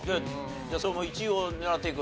じゃあ１位を狙っていく？